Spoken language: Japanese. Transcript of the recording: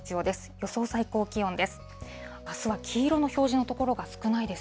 予想最高気温です。